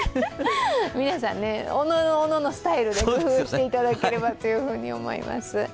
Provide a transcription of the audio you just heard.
皆さん、おのおののスタイルで工夫していただければと思います。